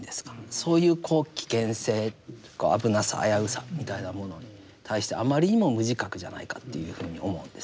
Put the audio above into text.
そういう危険性というか危なさ危うさみたいなものに対してあまりにも無自覚じゃないかというふうに思うんです。